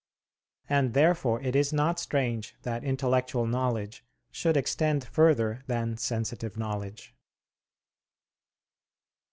And therefore it is not strange that intellectual knowledge should extend further than sensitive knowledge.